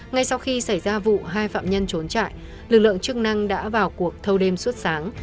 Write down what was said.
ngay sau khi xảy ra vụ hai phạm nhân trốn trại lực lượng chức năng đã vào cuộc thâu đêm suốt sáng